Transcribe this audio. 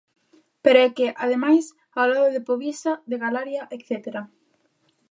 Pero é que, ademais, ao lado de Povisa, de Galaria etcétera.